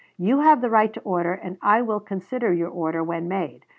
You have the right to order and I will consider your orders when made.